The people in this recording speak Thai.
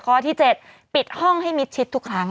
ข้อที่๗ปิดห้องให้มิดชิดทุกครั้ง